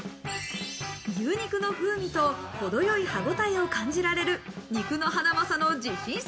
牛肉の風味と程よい歯ごたえを感じられる肉のハナマサの自信作。